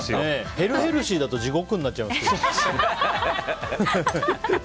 ヘルヘルシーだと地獄になっちゃいますけど。